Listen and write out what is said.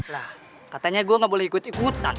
lah katanya gue gak boleh ikut ikutan